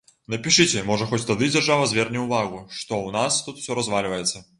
Напішыце, можа хоць тады дзяржава зверне ўвагу, што ў нас тут усё развальваецца.